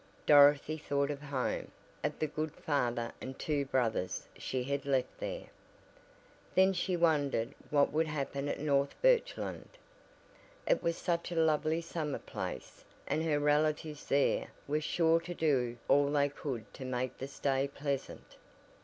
Dorothy thought of home, of the good father and two dear brothers she had left there. Then she wondered what would happen at North Birchland. It was such a lovely summer place, and her relatives there were sure to do all they could to make the stay pleasant.